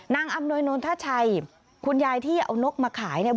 อำนวยนนทชัยคุณยายที่เอานกมาขายเนี่ย